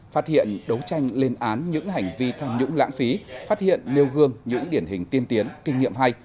phát hiện đấu tranh lên án những hành vi tham nhũng lãng phí phát hiện nêu gương những điển hình tiên tiến kinh nghiệm hay